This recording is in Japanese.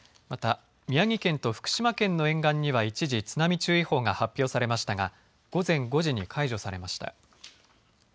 また宮城県と福島県の沿岸には一時、津波注意報が発表されましたが午前５時に解除されました。